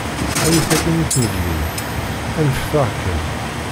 Awi-t akkin i tmedlin, anfet-aɣ kan.